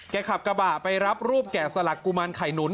ขับกระบะไปรับรูปแก่สลักกุมารไข่หนุน